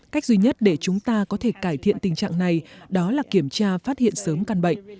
cách duy nhất để chúng ta có thể cải thiện tình trạng này đó là kiểm tra phát hiện sớm căn bệnh